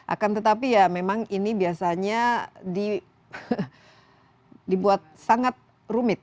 akan tetapi ya memang ini biasanya dibuat sangat rumit